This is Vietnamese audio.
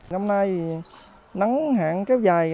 năm nay nắng hạn kéo dài